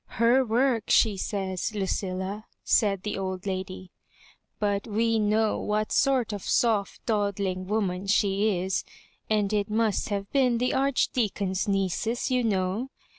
" Her work, she says, Lucilla," said the old lady ;•' but we know what sort of soft daw dling woman she is, and it must have been the Archdeacon's nieces, you know."